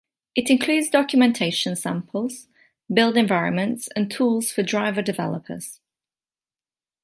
It includes documentation, samples, build environments, and tools for driver developers.